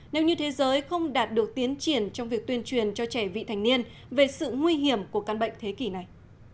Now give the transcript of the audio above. nếu như thế giới không đạt được tiến triển trong việc tuyên truyền cho trẻ vị thành niên về sự nguy hiểm của căn bệnh thế kỷ này